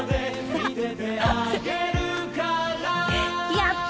やった！